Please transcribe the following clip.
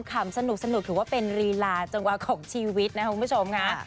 คำสนุกถือว่าเป็นลีลาจังหวะของชีวิตนะคุณผู้ชมค่ะ